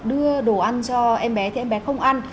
đưa đồ ăn cho em bé thì em bé không ăn